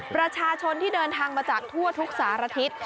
ประชาชนที่เดินทางมาจากทั่วทุกสารทิศ